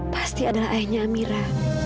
pasti adalah ayahnya amira